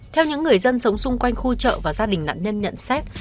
theo những người dân sống xung quanh khu chợ và gia đình nạn nhân nhận xét